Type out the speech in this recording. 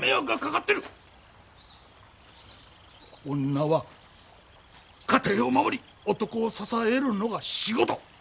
女は家庭を守り男を支えるのが仕事！